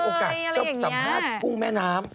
เมื่อวานมีโอกาสจะสัมภาษณ์กุ้งแม่น้ำ